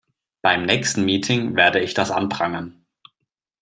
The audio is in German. Beim nächsten Meeting werde ich das anprangern.